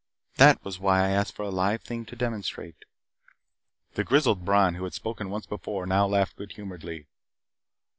That was why I asked for a live thing to demonstrate " The grizzled Bron who had spoken once before now laughed good humoredly.